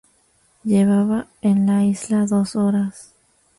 Llevaba en la isla dos horas.